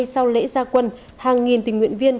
sau lễ gia quân hàng nghìn tình nguyện viên